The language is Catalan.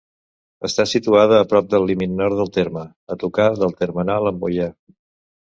Està situada a prop del límit nord del terme, a tocar del termenal amb Moià.